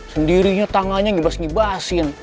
sendirinya tangannya gibas gibasin